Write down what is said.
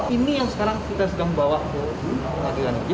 ini yang sekarang kita sedang membawa ke pengadilan